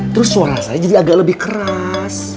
terus suara saya jadi agak lebih keras